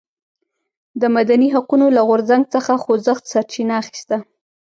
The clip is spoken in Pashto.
د مدني حقونو له غورځنګ څخه خوځښت سرچینه اخیسته.